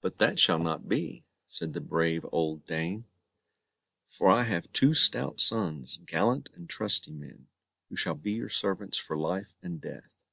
"But that shall not be," said the brave old dame, "for I have two stout sons, gallant and trusty men, who shall be your servants for life and death."